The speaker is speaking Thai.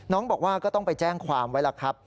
น้องก็ต้องไปแจ้งความไว้ล่ะคับ